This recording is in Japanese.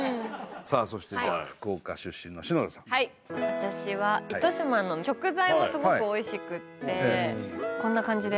私は糸島の食材もすごくおいしくてこんな感じで。